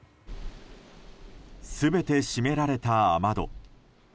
全て閉められた雨戸。